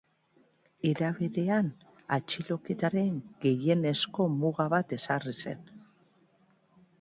Era berean, atxiloketaren gehienezko muga bat ezarri zen.